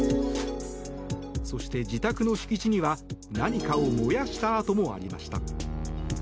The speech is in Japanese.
そして自宅の敷地には何かを燃やした跡もありました。